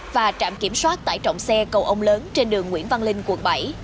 và trạm kiểm soát tải trọng xe cầu ông lớn trên đường nguyễn văn linh quận bảy